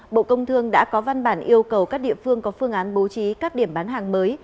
bộ công thương đã có văn bản yêu cầu các địa phương có phương án bố trí các điểm bán hàng mới